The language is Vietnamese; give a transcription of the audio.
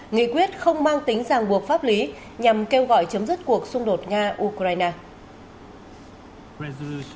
nghị quyết không mang tính giảng buộc pháp lý nhằm kêu gọi chấm dứt cuộc xung đột nga ukraine